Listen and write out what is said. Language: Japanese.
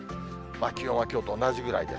気温はきょうと同じぐらいです。